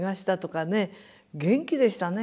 元気でしたね